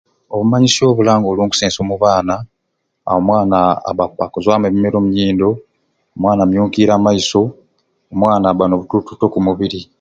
Obumanyisyo obulanga olunkusense omu baana aa omwana aba akuzwamu ebimira omunyindo omwana omyunkira amaiso omwana aba n'obutulututu oku mubiri